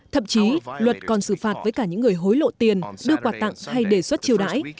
thậm chí luật còn xử phạt với cả những người hối lộ tiền đưa quà tặng hay đề xuất chiêu đãi